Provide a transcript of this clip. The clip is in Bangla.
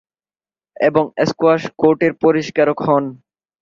এবং স্কোয়াশ কোর্টের পরিষ্কারক হন।